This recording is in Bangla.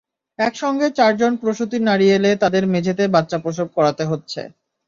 একসঙ্গে চারজন প্রসূতি নারী এলে তাঁদের মেঝেতে বাচ্চা প্রসব করাতে হচ্ছে।